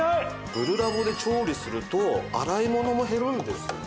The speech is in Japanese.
グルラボで調理すると洗い物も減るんですよね。